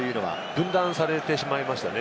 分断されてしまいましたね。